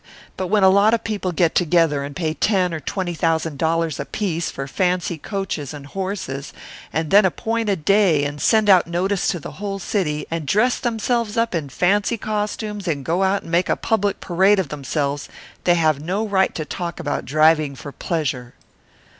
But when a lot of people get together and pay ten or twenty thousand dollars apiece for fancy coaches and horses, and then appoint a day and send out notice to the whole city, and dress themselves up in fancy costumes and go out and make a public parade of themselves, they have no right to talk about driving for pleasure."